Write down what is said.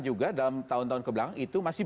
juga dalam tahun tahun kebelakang itu masih